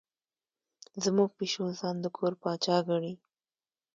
زموږ پیشو ځان د کور پاچا ګڼي.